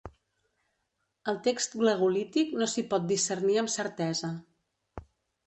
El text glagolític no s'hi pot discernir amb certesa.